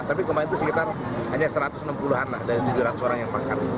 tapi kemarin itu sekitar hanya satu ratus enam puluh an lah dari tujuh ratus orang yang pakar